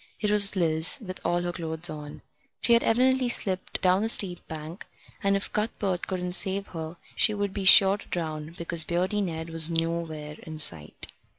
It was Liz, with all her clothes on. She had evidently slipped down the steep bank, and if Cuthbert couldn't save her she would be sure to drown, because Beardy Ned was nowhere in sight.